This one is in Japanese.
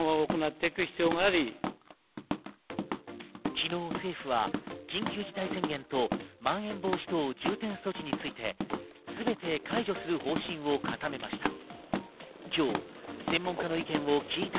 昨日政府は、緊急事態宣言とまん延防止等重点措置について、全て解除する方針を固めました。